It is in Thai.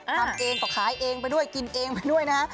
ทำเองก็ขายเองไปด้วยกินเองไปด้วยนะฮะ